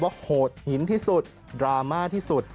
โหดหินที่สุดดราม่าที่สุด